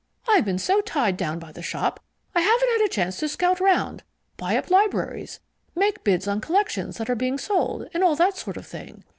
I've been so tied down by the shop, I haven't had a chance to scout round, buy up libraries, make bids on collections that are being sold, and all that sort of thing.